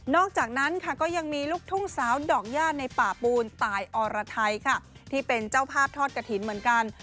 อกจากนั้นค่ะก็ยังมีลูกทุ่งสาวดอกย่าในป่าปูนตายอรไทยค่ะที่เป็นเจ้าภาพทอดกระถิ่นเหมือนกัน